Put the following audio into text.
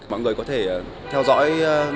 mọi người có thể theo dõi